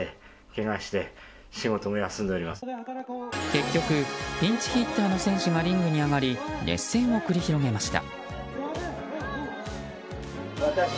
結局、ピンチヒッターの選手がリングに上がり熱戦を繰り広げました。